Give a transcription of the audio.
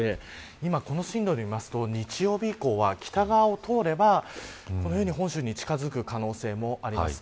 今、この進路でいいますと日曜日以降は北側を通れば本州に近づく可能性もあります。